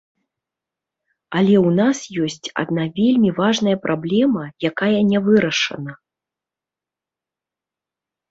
Але ў нас ёсць адна вельмі важная праблема, якая не вырашана.